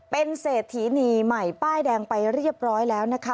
เป็นเศรษฐีนีใหม่ป้ายแดงไปเรียบร้อยแล้วนะคะ